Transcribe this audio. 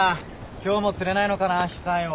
今日も釣れないのかなひさんいを。